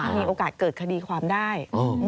มีโอกาสเกิดคดีความได้